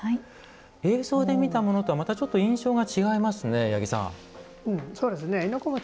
映像で見たものとはちょっと印象が違いますね。